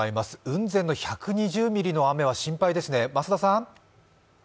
雲仙の１２０ミリの雨は心配ですね。